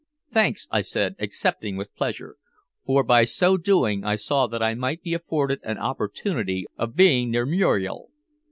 "Thanks," I said, accepting with pleasure, for by so doing I saw that I might be afforded an opportunity of being near Muriel.